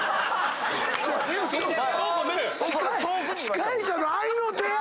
司会者の合いの手や！